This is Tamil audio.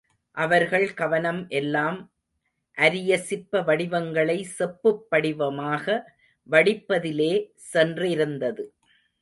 அவர்கள் கவனம் எல்லாம் அரிய சிற்ப வடிவங்களை செப்புப் படிவமாக வடிப்பதிலே சென்றிருந்தது.